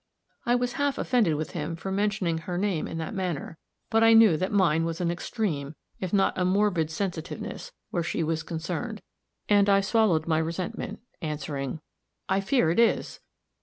I was half offended with him for mentioning her name in that manner; but I knew that mine was an extreme, if not a morbid sensitiveness, where she was concerned, and I swallowed my resentment, answering, "I fear it is."